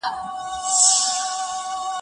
خوښ یم، چې د زړې اریانا